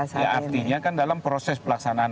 saat ini ya artinya kan dalam proses pelaksanaan